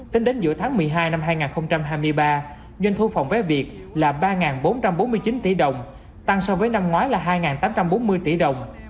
tính đến giữa tháng một mươi hai năm hai nghìn hai mươi ba doanh thu phòng vé việt là ba bốn trăm bốn mươi chín tỷ đồng tăng so với năm ngoái là hai tám trăm bốn mươi tỷ đồng